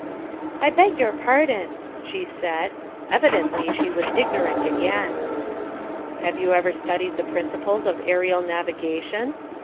"I beg your pardon," she said. Evidently she was ignorant again. "Have you ever studied the principles of aerial navigation?"